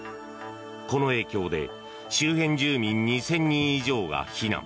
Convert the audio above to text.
この影響で周辺住民２０００人以上が避難。